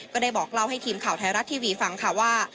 ก็ได้บอกเล่าให้ทีมข่าวไทยรัฐทีวีฟังค่ะว่า